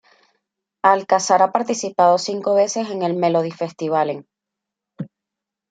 Alcazar ha participado cinco veces en el Melodifestivalen.